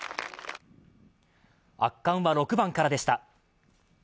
圧巻は６番からでした。